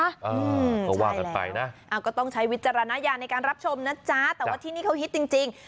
อืมก็ว่ากันไปนะก็ต้องใช้วิจารณญาณในการรับชมนะจ๊ะแต่ว่าที่นี่เขาฮิตจริงจริง